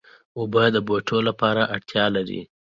اوبه د بوټو لپاره اړتیا ده.